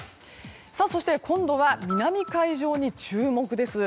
そして今度は南海上に注目です。